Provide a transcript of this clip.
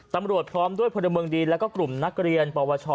ตำรวจพร้อมทั้งพลบเมืองดีและกลุ่มนักเรียนปวช